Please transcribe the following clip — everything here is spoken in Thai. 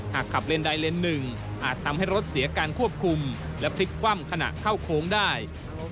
ขับเลนใดเลนส์หนึ่งอาจทำให้รถเสียการควบคุมและพลิกคว่ำขณะเข้าโค้งได้